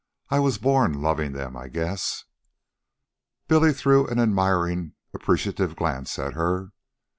I was born loving them, I guess." Billy threw an admiring, appreciative glance at her.